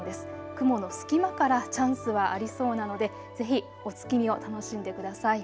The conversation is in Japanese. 雲の隙間からチャンスはありそうなので、ぜひお月見を楽しんでください。